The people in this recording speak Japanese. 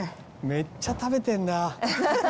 めっちゃ食べてんな。